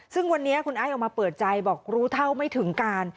ซึ่งวันนี้คุณไอ้ออกมาเปิดใจบอกรู้เท่าไม่ถึงการ